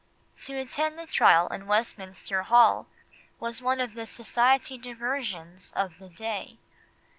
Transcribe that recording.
To attend the trial in Westminster Hall was one of the society diversions of the day.